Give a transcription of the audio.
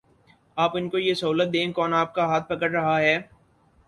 آپ ان کو یہ سہولت دیں، کون آپ کا ہاتھ پکڑ رہا ہے؟